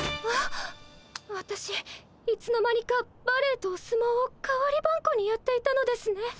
あわたしいつの間にかバレエとお相撲を代わりばんこにやっていたのですね。